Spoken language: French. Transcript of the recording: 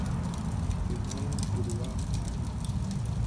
Rue Moise Delouard à Amiens